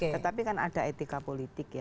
tetapi kan ada etika politik ya